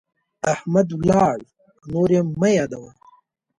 احمد ولاړ، نور يې مه يادوه.